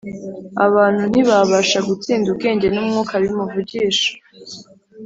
” abantu “ntibabasha gutsinda ubwenge n’umwuka bimuvugisha